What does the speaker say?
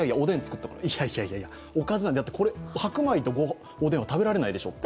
いやいやいや、白米とおでんは食べられないでしょうと。